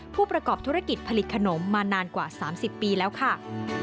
ผู้ประกอบธุรกิจผลิตขนมมานานกว่า๓๐ปีแล้วค่ะ